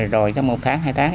rồi trong một tháng hai tháng